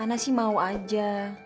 anak sih mau aja